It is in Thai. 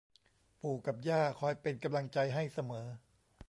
ปู่กับย่าคอยเป็นกำลังใจให้เสมอ